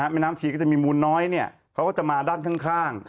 แม่น้ำชีก็จะมีมูลน้อยเขาก็จะมาด้านข้าง